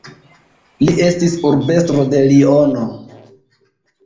Li estis urbestro de Liono.